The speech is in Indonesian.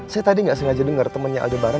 saya tadi gak sengaja denger temennya aldebaran